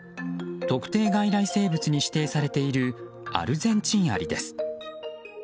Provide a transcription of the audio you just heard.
特定外来生物に指定されているアルゼンチンアリです。